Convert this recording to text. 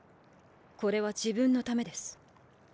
これは自分のためです。